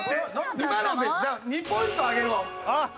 今のでじゃあ２ポイントあげるわ。